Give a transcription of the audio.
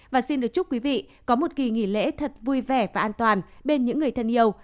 và xin được chúc quý vị có một kỳ nghỉ lễ thật vui vẻ và an toàn bên những người thân yêu